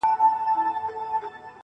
د کسمیر لوري د کابل او د ګواه لوري~